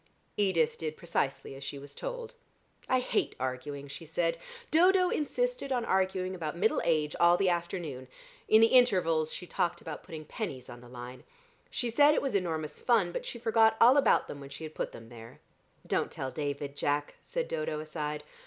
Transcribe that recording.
Edith did precisely as she was told. "I hate arguing," she said. "Dodo insisted on arguing about middle age all the afternoon. In the intervals she talked about putting pennies on the line. She said it was enormous fun, but she forgot all about them when she had put them there." "Don't tell David, Jack," said Dodo, aside.